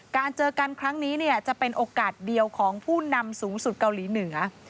เจอกันครั้งนี้จะเป็นโอกาสเดียวของผู้นำสูงสุดเกาหลีเหนือ